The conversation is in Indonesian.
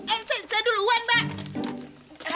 eh saya duluan mbak